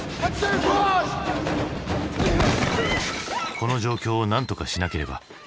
この状況をなんとかしなければ。